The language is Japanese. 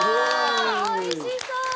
おいしそう。